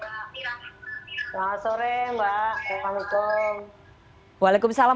selamat sore mbak waalaikumsalam